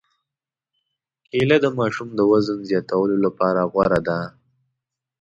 کېله د ماشوم د وزن زیاتولو لپاره غوره ده.